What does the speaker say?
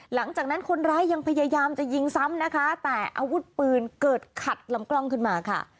หลังจากนั้นคนร้ายยังพยายามจะยิงซ้ำนะคะแต่อาวุธปืนเกิดขัดลำกล้องขึ้นมาค่ะ